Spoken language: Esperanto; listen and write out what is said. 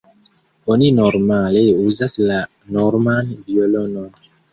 Oni normale uzas la norman violonon.